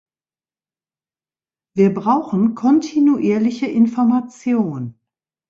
Wir brauchen kontinuierliche Information.